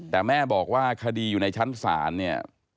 แต่แม่บอกว่าคดีอยู่ในชั้นศาลเนี่ย